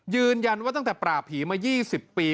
ยืนยันว่าตั้งแต่ปราบผีมา๒๐ปี